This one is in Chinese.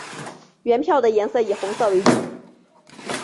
原票的颜色以红色为主。